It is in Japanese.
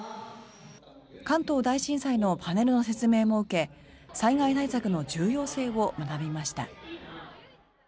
関東大震災のパネルの説明も受け災害対策の重要性を学びました。